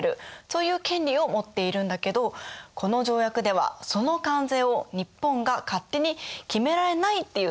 そういう権利を持っているんだけどこの条約ではその関税を日本が勝手に決められないっていう取り決めがされているんです。